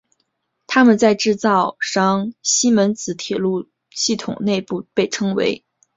它们在制造商西门子铁路系统内部被称为。